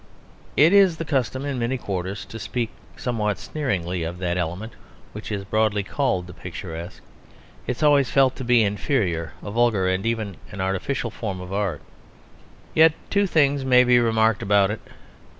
It is the custom in many quarters to speak somewhat sneeringly of that element which is broadly called the picturesque. It is always felt to be an inferior, a vulgar, and even an artificial form of art. Yet two things may be remarked about it.